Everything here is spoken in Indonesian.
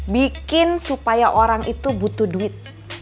bikin supaya orang itu butuh duit